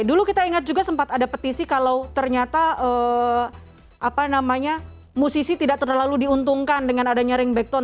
dulu kita ingat juga sempat ada petisi kalau ternyata musisi tidak terlalu diuntungkan dengan adanya ringback tone